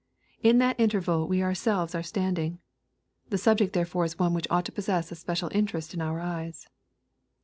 In that interval we ourselves are standing. The subject therefore is one which ought to possess a special interest in our eyes.